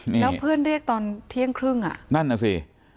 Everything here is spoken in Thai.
แล้วเพื่อนเรียกตอนเที่ยงครึ่งอ่ะนั่นน่ะสิ